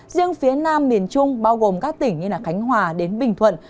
riêng phía nam miền trung bao gồm các tỉnh như khánh hòa đến bình thuận